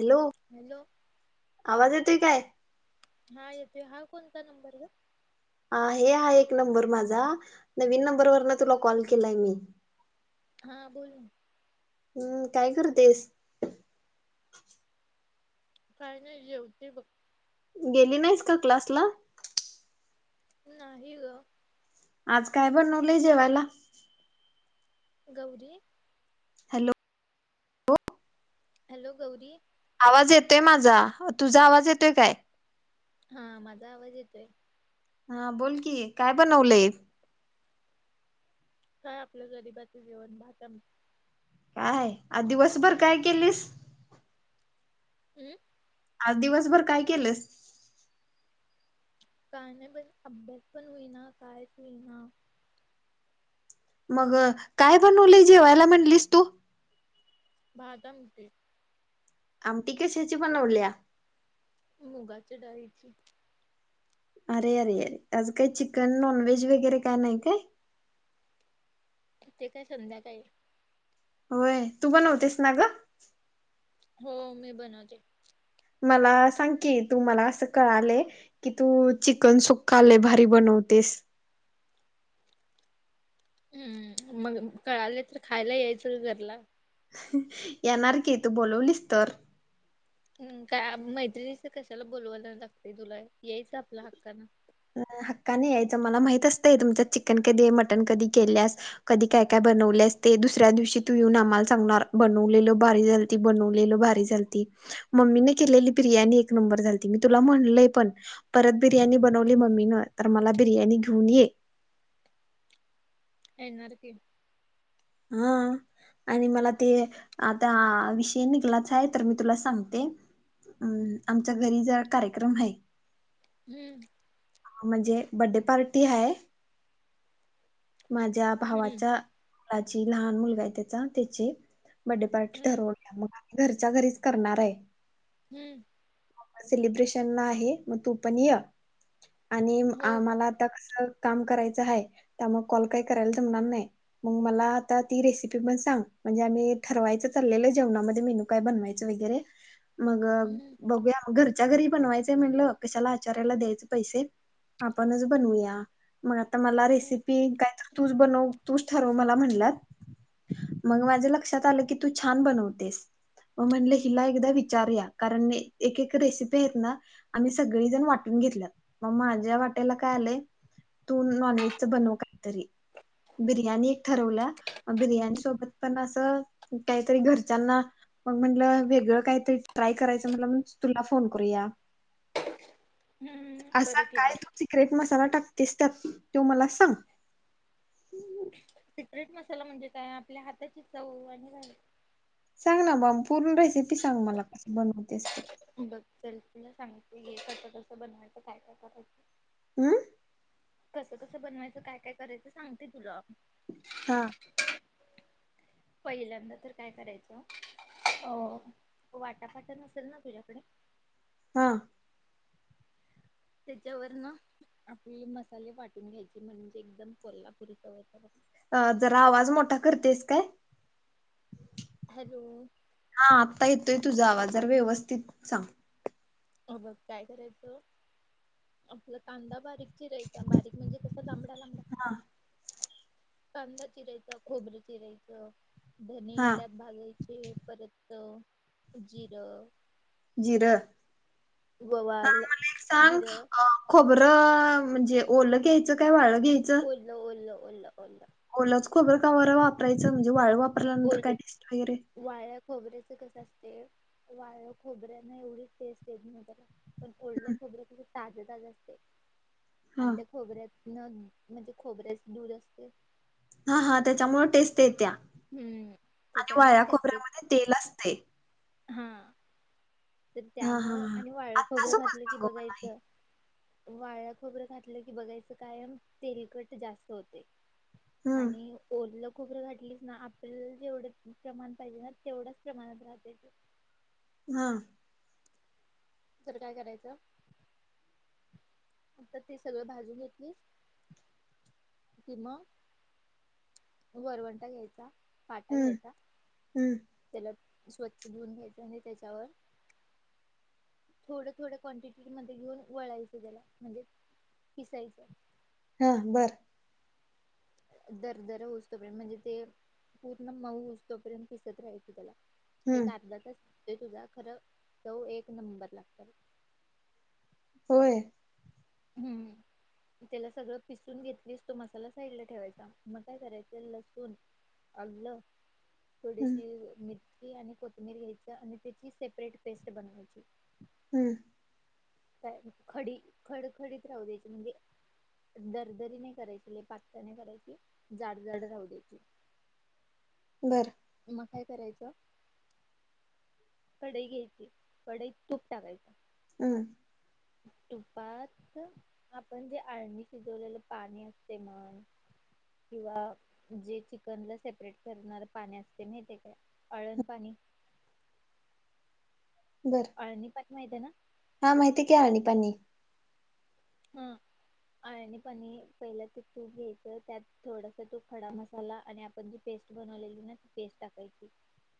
Hello hello आवाज ये ते काय? हा येतोय हा कोणता नंबर? हा, हे आहे एक नंबर माझा नवीन नंबर वरन तुला कॉल केलाय मी. हा, बोल. हम्म, काय करतेस? काय नाय जेवतेे बघ. गेली नाईस का क्लासला? नाही ग. आज काय बनवलय जेवायला? Gauri hello hello Gauri. आवाज येतोय माझा, तुझा आवाज येतोय काय? हा, माझा आवाज येतोय. हा बोल की, काय बनवलंय? काय आपलं गरिबाचं जेवण भात आम काय? आ दिवसभर काय केलीस? हम्म आज दिवसभर काय केलंस? काय नाइ बई अभ्यास पण होईना, कायच होईना. मग काय बनवलंय जेवायला म्हणलीस तू? भात आमटी. आमटी कशाची बनवल्या? मुगाची डाळीची. अरे, अरे, अरे, आज काय चिकन नॉनव्हेज वगैरे काय नाय काय? ते काय संध्याकाळी. होय, तू बनवतेस ना ग? हो मी बनवते. मला सांग कि, तू मला असं कळालय की तू चिकन सुक्का लय भारी बनवतेस. हम्म, मग कळाले तर खायला यायचं ग घरला. येणार की तू बोलवलीस तर. काय मैत्रिणीच कशाला बोललावायला लागतय तुला यायच आपलं हक्कान. हक्कान यायच मला माहित असतय तुमच्यात चिकन कधीय मटन कधी केल्यास कधी काय काय बनवल्यास ते दुसऱ्या दिवशी तू येऊन आम्हाला सांगणार बनवलेलो भारी झालती, बनवलेलो भारी झालती मम्मीने केलेली बिर्याणी एक नंबर झालती. मी तुला म्हणलय पण परत बिर्याणी ब बनवली मम्मीन तर मला बिर्याणी घेऊन ये. येनार की. हा आणि मला ते आता विषयी निघलाच आहे तर मी तुला सांगते अ आमच्या घरी जर कार्यक्रम आहे हम्म म्हणजे बड्डे पार्टी आहे माझ्या हम्म भावाच्या मु ज लहान मुलगा आहे त्याचा त्याचे बडे पार्टी हम्म ठरवल्या मग घरच्या घरीच करणार आहे हम्म सेलिब्रेशन ला आहे मग तू पण य आणि हो आमाला आता कसं काम करायचं आहे त्या मग कॉल काही करायला जमणार नाही मग मला आता ती रेसिपी पण सांग म्हणजे आम्ही ठरवायच चाललेलं जेवणामध्ये मेनू काय बनवायच वगैर मग हम्म बघूया मग घर च्या घरी बनवायचंय म्हटलं कशाला आचार्याला द्यायचं पैसे आपणच बनवूया मग आता मला हम्म रेसिपी काय तूच बनव तूच ठरव मला म्हणल्यात मग माझ्या लक्षात आलं की तू छान बनवतेस मग म्हणल हिला एकदा विचारूया कारण एक एक रेसिपी आहेत ना आम्ही सगळेजण वाटून घेतल्यात मग माझ्या वाट्याला काय आलंय तू नॉनव्हेजच बनवू काहीतरी बिर्याणी एक ठरवल्या म बिर्याणी सोबत पण असं काहीतरी घरच्यांना मग म्हणलं वेगळं काहीतरी ट्राय करायच म्हणल तुला फोन करूया हम्म असा बरं काय केली तू सिक्रेट मसाला टाक टाकतेस टाक तो मला सांग मसाला म्हणजे काय आपल्या हाताची चव आणि घ सांग ना मम पूर्ण रेसिपी सांग मला कशी बनवतेस ते बघ चल तुला सांगिती हे कसं कसं बनवायचं काय काय करायचं हमम कसं कसं बनवायचं काय काय करायचं सांगते तुला हा पहिल्यांदा तर काय करायचं अ वाटापाटा नसेल ना तुझ्या कडी हा त्याच्यावरन आपले मसाले वाटून घ्यायचे म्हणजे एकदम कोल्हापुरी चव येत्या ब अ जरा आवाज मोठा करतेस काय हॅलो हा आता ये येतोय तुझा आवाज जरा व्यवस्थित सांग अ बघ काय करायचं आपला कांदा बारीक चिरायचा बारीक म्हणजे कस लांबडा लांबडा हा कांदा चिरायचा खोबर चिरायचं धने हा त्यात भाजायचे परत जिर जिर ओवा जिरं बरं म्हणजे ओल घ्यायचं काय वाळल ओल ओल. ओल ओलं. ओलच खोबरं का बरं वापरायचं म्हणजे वाळ वाप ओलं, वाळल्या खोबऱ्याचं कसं असतय. वाळल्या खोबऱ्याना एवढी टेस्ट येत नाही त्याला. पण ओलं हं, खोबऱ्यामुळे ताजताज असतय. आणि हां त्या खोबऱ्यात न म्हणजे खोबऱ्याच दूध असतय. हा हा त्याच्यामुळे टेस्ट येत्या. आणि हम्म. आणि त्याच्यामुळे वाळ्या टेस्ट येते खोबऱ्यामध्ये तेल असते. हा. तर हां हां त्यामुळं हां आणि वाळ आत्ता खोबरं घातलं की समजलं गं मला. बघायचं वाळ्या खोबरं खातलं की बघायचं कायम तेलकट जास्त होते. हं आणि ओलं खोबरं घातलीस ना आपल्याला जेवढे प्रमाण पाहिजे ना तेवढंच प्रमाणात राहते. हा. तर काय करायचं, आता ते सगळं भाजून घेतलीस, की मग वरवंटा घ्यायचा पाटा हं घ्यायचा हं त्याला स्वच्छ धुून घ्यायचं आणि त्याच्यावर थोड थोड क्वांटिटी मध्ये घेऊन वळायचं त्याला, म्हणजे पिसायचं. हा बरं. दरदर होउस तोपर्यंत पर्यंत म्हणजे ते पूर्ण मऊ होऊस तोपर्यंत पिसत राहायची त्याला. एक हं अर्धा तास ते तुझा खरं चव एक नंबर लागत. होय. हम्म त्याला सगळं पिसून घेतलीस तो मसाला साईड ला ठेवायचा, मग काय करायचं लसूण, आलं हं थोडीशी मिर ची आणि कोथमीर घ्यायच आणि त्याची सेपरेट पेस्ट बनवायची. हम्म. काय खडी खडखडीत राहू द्यायची, म्हणजे दरदरी नाही करायची, लई पातळ नाही करायची. जाड जाड राहू द्यायची. बरं. मग काय करायचं? कढई घ्यायची कढईत तूप टाकायचं. हम्. तुपात आपण जे अळणी शिजवलेलं पाणी असते मग किंवा जे चिकनला सेपरेट करणार पाणी असते माहिते काय आळण पाणी आळणी पा माहितीये ना? हा माहिती की आणि पाणी हा आणि पणी पहिलं ते तूप घ्यायच त्यात थोडस तूप खडा मसाला आणि आपण जी पेस्ट बनवलेली ना ती पेस्ट टाकायची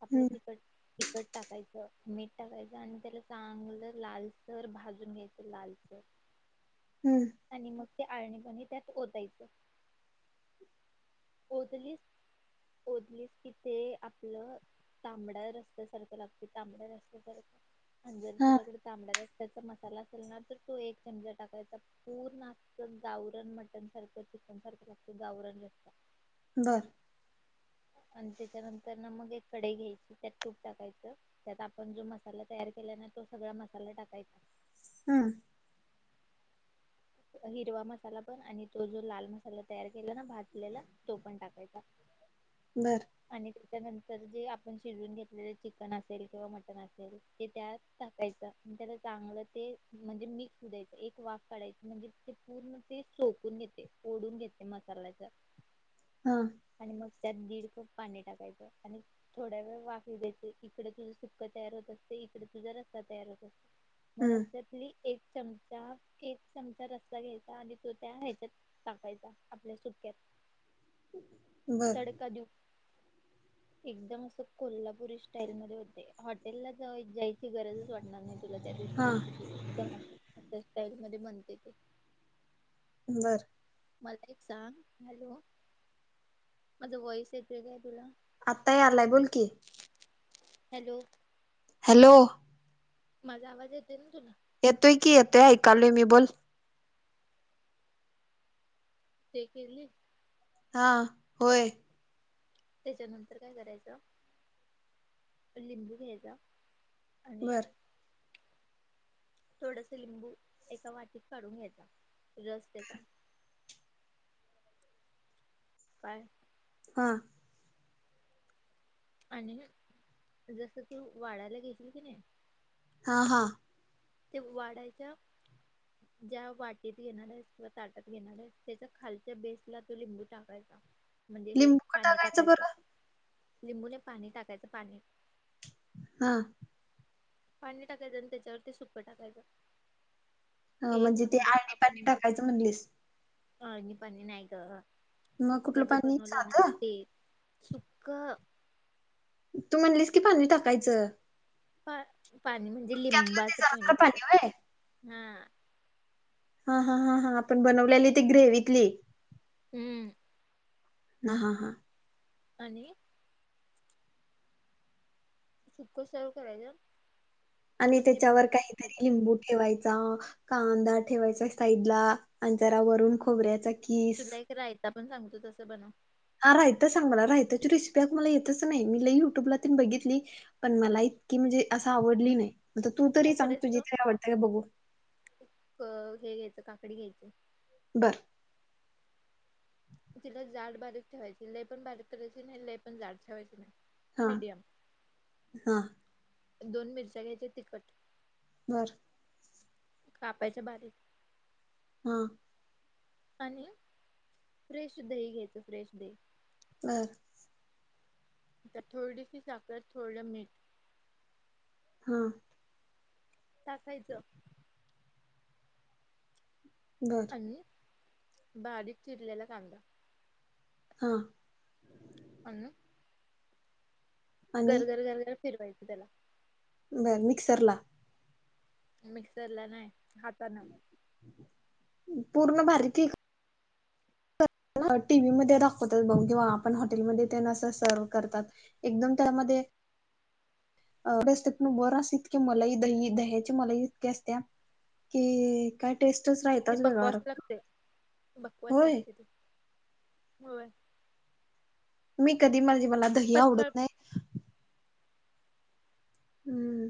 आपलं हं तिकट तिखट टाकायचं मीठ टाकायचं आणि त्याला चांगलं लालसर भाजून घ्यायचं लालसर हं आणि मग ते अळणी पाणी त्यात ओतायच ओधलीस ओधलीस कि ते आपलं तांबड्या रस्स्या सारखं लागत तांबड्या रस्स्या सारखं अनं जर हां तुझ्याकडे तांबडा र त्याचा मसाला असेल ना तर तो एक चमचा टाकायचा पूर्ण अस गावरण मटन सारखं चिकन सारखं लागत गावरण रस्सा बर आणि त्याच्यानंतर ना मग एक कडई घ्यायची त्यात तूप टाकायचं त्यात आपण जो मसाला तयार केला ना तो सगळा मसाला टाकायचा हम् हिरवा मसाला पण आणि तो जो लाल मसाला तयार केला ना भाजलेला तो पण टाकायचा. बरं त्यानंतर जे आपण शिजून घेतलेलं चिकन असेल किंवा मटण असेल, ते त्यात टाकायचं आणि त्याला चांगलं ते म्हणजे मिक्स द्यायच एक वाफ काढायची. म्हणजे ते पूर्ण ते सोकून घेते ओढून घेते मसाल्याच हा आणि मग त्यात दीड कप पाणी टाकायचं, आणि थोड्या वेळ वाफ येऊ द्यायची, इकडे तुझं सुक्कं तयार होत असतेय, इकडे तुझा रस्सा तयार होत असते. मग हं रस्यातली एक चमचा [unintelligible] चमचा रस्सा घ्यायचा आणि तो त्या ह्याच्यात टाकायचा आपल्या सुक्यात बरं तडका देऊ एकदम असं कोल्हा पुरी स्टाईलध्ये होतय. हॉट हाॅटेलला जेवाय जायची ची गरजच वाटणार नाही, तुला त्या दिवशी मग हां तु एकदम त्या स्टाईलमध्ये बन तेते बर मला एक सांग, हॅलो माझा वॉइस येतोय काय तुला? आता यायलाय बोल की हॅलो हॅलो माझा आवाज येते ना तुला? येतोय की येतोय, ऐकलोय मी बोल ते केलीस? हा होय त्याच्यानंतर काय करायच लिंबू घ्यायचा. आणि बरं थोडस लिंबू एका वाटीत काढून घ्यायचा रस त्याचा काय हा आणि जसं तू वाडायला घेशील कणी हा हा ते वाढायच ज्या वाटीत घेणार आहेस किंवा ताटात घेणार आहेस त्याच्या खालच्या बेसला तो लिंबू टाकायचा. म्हणजे हे लिंबू का पाणी टाकायचं बरं लिंबू नाही पाणी टाकायचं पाणी हा पाणी टाकायचं आणि त्याच्यावरती सुक्क टाकायचं. ह एक म्हणजे ते आळणी पाणी टाकायचं म्हणलीस आळणी पाणी नाही गं मग सुक्क कुठलं जे पाणी बनवलय ना साधं ते सुक्क तू म्हणलीस की पाणी टाकायचं प पाणी म्हणजे त्यातलं ते लिंबाचं जरा पाणी जरा टाकाय व्हय हा हा हा हा हा आपण बनवले ते ग्रेवितली हम्म [unintelligible] आणि सुक्क सर्व करायच आणि त्याच्यावर काहीतरी लिंबू ठेवायच कांदा ठेवायचा साईड ला आणि जरा वरून खोबऱ्याचा किस तुला एक रायता पण सांगतो तसं बनव हा राहायता सांग मला रायताची रेसिपी अगं मला येतच नाही. मी लई युट्यूबला तेन बघितली, पण मला इतकी म्हणजे असं आवडली नाही. आता तू तरी काय सांग तुझी करायचं तर आवडत्या काय बघु क- हे [unintelligible] बरं तिला जाड, बारीक ठेवायची लय पण बारीक करायची नाही लय पण जाड ठेवायची नाही. हा मीडियम हा दोन मिरच्या घ्यायच्या तिखट बरं कापायच्या बारीक हा आणि फ्रेश दही घ्यायचं फ्रेश दही [unintelligible] त्यात थोडीशी साखर, थोड मीठ हा टाखायचं आणि [unintelligible] बारीक चिरलेला कांदा हा. अण घर घर घर घर. तिरवायपदला बरं मिक्सर ला. मिक्सरला नाही हाताान. पूर्ण भारती टीव्ही मध्ये दाखवतात बघ किंवा आपण हॉटेलमध्ये सर्व करतात एकदम त्यामध्येस्त प बरं इतके मलाही दही दह्याचे मलाही इतक्या असत्या की काय टेस्टच ती राहताच वेग बकवास लागते होय. हो. मी कधी मरज मला दही आवडत नाही. हम्म.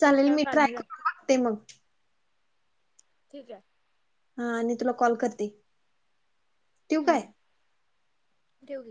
चालेल पचकळ मी ट्राय पाणी लागते करून बघते मग ठीक आहे. हा आणि तुला कॉल करते. ठेवु काय? हम्म ठेव.